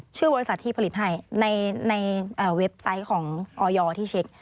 ชื่อบริษัทที่ผลิตให้ในเว็บไซต์ของออยที่เช็ค